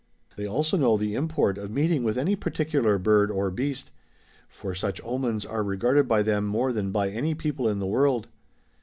They also know the import of meeting with any particular bird or beast ; for such omens are regarded by them more than by any people in the world.